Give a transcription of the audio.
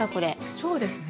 そうですね。